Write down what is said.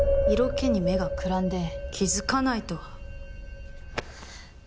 色気に目がくらんで気づかないとは。